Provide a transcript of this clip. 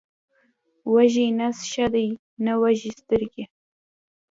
وږی نس ښه دی، نه وږې سترګې.